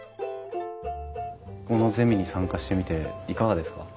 このゼミに参加してみていかがですか？